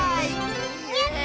やった！